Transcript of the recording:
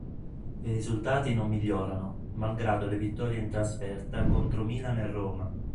I risultati non migliorano, malgrado le vittorie in trasferta contro Milan e Roma.